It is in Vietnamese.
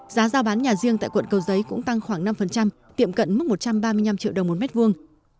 giá giao bán nhà riêng tại quận cầu giấy cũng tăng khoảng năm tiệm cận mức một trăm ba mươi năm triệu đồng một mét vuông